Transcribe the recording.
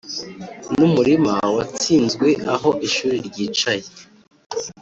numurima watsinzwe aho ishuri ryicaye